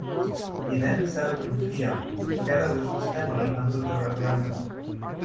He then settled in Trier together with his family until the referendum.